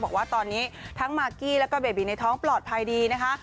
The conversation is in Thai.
บอกว่าตอนนี้ทั้งมากกี้แล้วก็เบบีในท้องปลอดภัยดีนะคะ